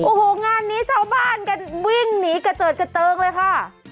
โอ้โหงานนี้ชาวบ้านกันวิ่งหนีกระเจิดกระเจิงเลยค่ะ